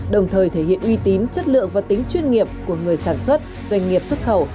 đồng thời thể hiện uy tín chất lượng và tính chuyên nghiệp của người sản xuất doanh nghiệp xuất khẩu